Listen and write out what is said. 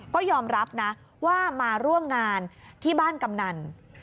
ก็ยอมรับนะว่ามาร่วมงานที่บ้านกำนัน